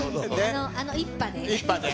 あの一派で。